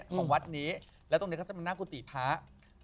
ของวัดนี้แล้วตรงนี้ก็จะมีนาคติภาพ